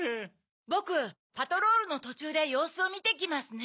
ボクパトロールのとちゅうでようすをみてきますね。